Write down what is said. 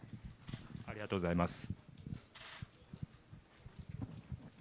ありがとうございます。